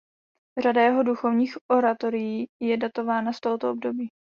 Řada jeho duchovních oratorií je datována z tohoto období.